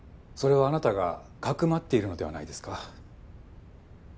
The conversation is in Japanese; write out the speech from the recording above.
それはあなたが匿っているのではないですか。